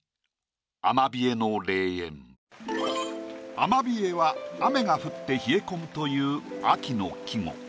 「雨冷」は雨が降って冷え込むという秋の季語。